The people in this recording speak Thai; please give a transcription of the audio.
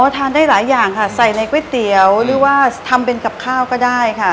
ทานได้หลายอย่างค่ะใส่ในก๋วยเตี๋ยวหรือว่าทำเป็นกับข้าวก็ได้ค่ะ